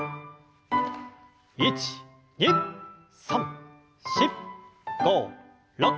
１２３４５６。